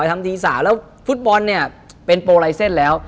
ทำที๓แล้วฟุตบอลเนี่ยเป็นโปรไลเซ็นต์แล้ว